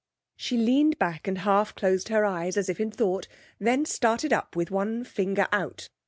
She leant back and half closed her eyes, as if in thought; then started up with one finger out.